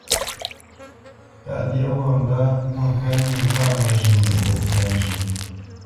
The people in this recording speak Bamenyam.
Tâʼ lyéʼ wût mbə́ Mwôŋkát nyê ndâ ŋkwǎ nə́ tə́tyā njʉ̌ʼ.